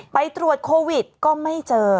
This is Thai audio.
ไปตรวจโควิดก็ไม่เจอ